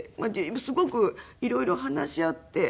すごく色々話し合って。